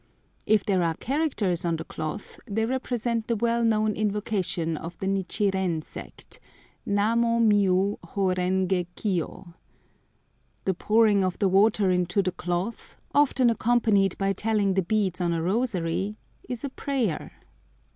If there are characters on the cloth, they represent the well known invocation of the Nichiren sect, Namu miô hô ren gé kiô. The pouring of the water into the cloth, often accompanied by telling the beads on a rosary, is a prayer.